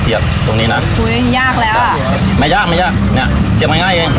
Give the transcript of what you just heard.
ตรงนี้นะอุ้ยยากแล้วไม่ยากไม่ยากเนี้ยเสียบง่ายเอง